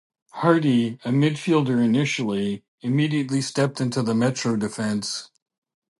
Harty, a midfielder initially, immediately stepped into the Metro defense.